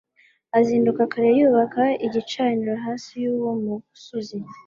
azinduka kare yubaka igicaniro hasi y uwo musozi